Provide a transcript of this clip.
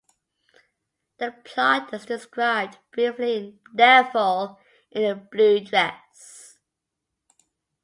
The plot is described briefly in "Devil in a Blue Dress".